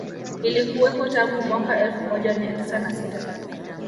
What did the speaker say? Ilikuwepo tangu mwaka elfu moja mia tisa na sita